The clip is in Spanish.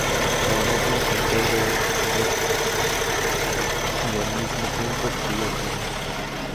Trabajó como pintor de brocha gorda y, al mismo tiempo, escribió poemas.